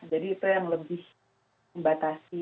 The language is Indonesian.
jadi itu yang lebih membatasi